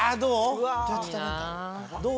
どう？